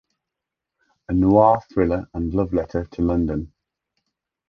A noir thriller and love letter to London.